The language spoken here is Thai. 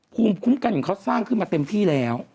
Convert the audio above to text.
คุมกันเหมือนเขาสร้างขึ้นมาเต็มที่แล้ว